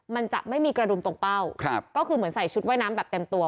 มันจะไม่มีกระดุมตรงเป้าก็คือเหมือนใส่ชุดว่ายน้ำแบบเต็มตัว